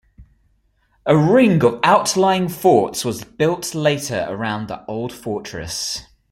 A ring of outlying forts was built later around the old fortress.